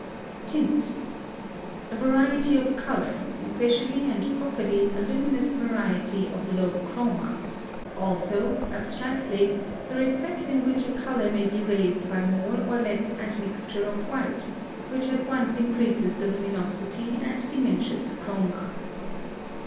TINT. A variety of color; especially and properly, a luminous variety of low CHROMA; also, abstractly, the respect in which a color may be raised by more or less admixture of white, which at once increases the luminosity and diminishes the CHROMA.